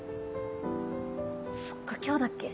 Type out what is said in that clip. そっか今日だっけ？